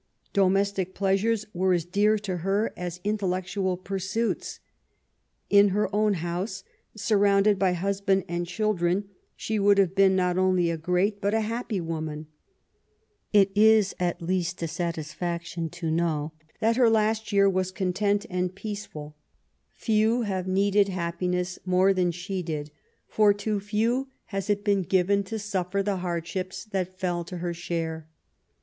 Domestic pleasures were as dear to her as intellectual pursuits. In her own house, surrounded by husband and children, she would have been not only a great but a happy woman. It is at least a satisfaction 206 MABY W0LL8T0NECBAFT GODWIN. to know that her last year was content and peaceful. Few have needed happiness more than she did^ for to few has it been given to suffer the hardships that fell to her share.